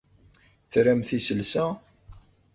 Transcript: Tramt iselsa?